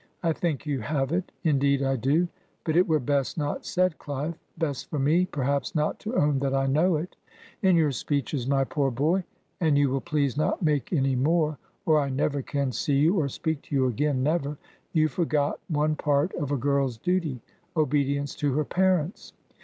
I think you have it. Indeed, I do. But it were best not said, CHve; best for me, perhaps, not to own that I know it. In your speeches, my poor boy HEmd you will please not make any more, or I never can see you or speak to you again, never — you forgot one part of a girl's duty: obedience to her parents.